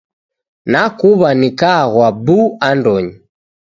Nakuw'a nikagwa bu andonyi.